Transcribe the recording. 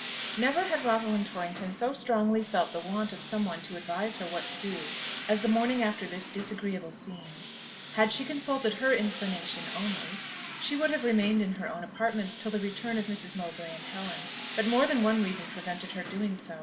Never had Rosalind Torrington so strongly felt the want of some one to advise her what to do, as the morning after this disagreeable scene. Had she consulted her inclination only, she would have remained in her own apartments till the return of Mrs. Mowbray and Helen. But more than one reason prevented her doing so.